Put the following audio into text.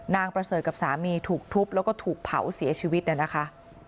ประเสริฐกับสามีถูกทุบแล้วก็ถูกเผาเสียชีวิตเนี่ยนะคะ